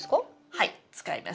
はい使います。